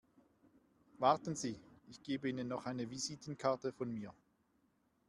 Warten Sie, ich gebe Ihnen noch eine Visitenkarte von mir.